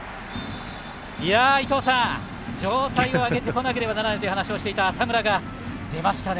伊東さん、状態を上げてこなければならないと話していた浅村が出ましたね！